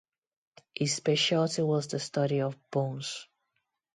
His specialty was the study of bones.